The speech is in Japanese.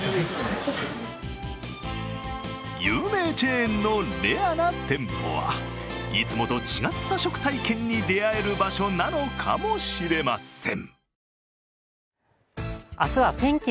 有名チェーンのレアな店舗はいつもと違った食体験に出会える場所なのかもしれません。